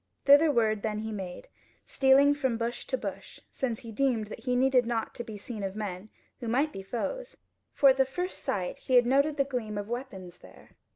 Thitherward then he made, stealing from bush to bush, since he deemed that he needed not be seen of men who might be foes, for at the first sight he had noted the gleam of weapons there.